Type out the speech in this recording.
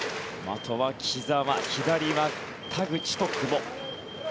あとは木澤左は田口と久保。